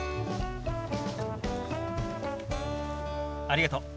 ありがとう。